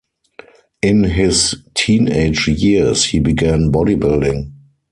In his teenage years, he began bodybuilding.